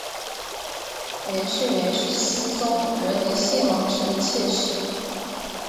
袁氏原是思宗仍为信王时的妾室。